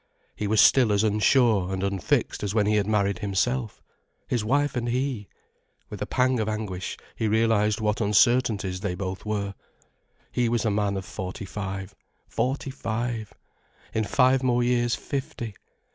He was still as unsure and unfixed as when he had married himself. His wife and he! With a pang of anguish he realized what uncertainties they both were. He was a man of forty five. Forty five! In five more years fifty.